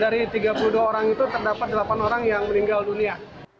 dari tiga puluh dua orang itu terdapat delapan orang yang meninggal dunia